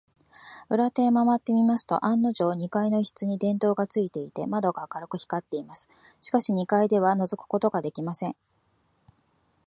裏手へまわってみますと、案のじょう、二階の一室に電燈がついていて、窓が明るく光っています。しかし、二階ではのぞくことができません。